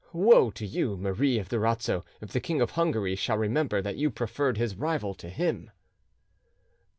Woe to you, Marie of Durazzo, if the King of Hungary shall remember that you preferred his rival to him!"